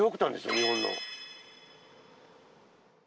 日本の。